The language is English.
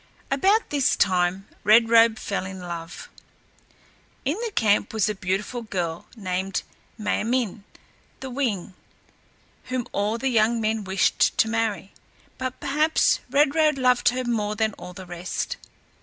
About this time Red Robe fell in love. In the camp was a beautiful girl named M[=a] m[)i]n´ the Wing whom all the young men wished to marry, but perhaps Red Robe loved her more than all the rest.